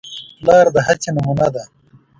پلار د هڅې نمونه ده.